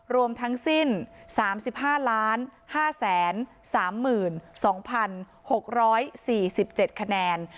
รวมทั้งสิ้นสามสิบห้าร้านห้าแสนสามหมื่นสองพันหกร้อยสี่สิบเจ็ดคะแนน